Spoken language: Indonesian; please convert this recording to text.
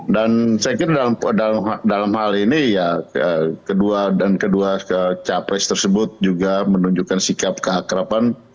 dan saya kira dalam hal ini ya kedua dan kedua capres tersebut juga menunjukkan sikap kehakrapan